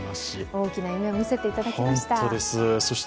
大きな夢を見せていただきました。